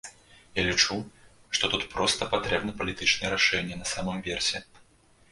Я лічу, што тут проста патрэбнае палітычнае рашэнне на самым версе.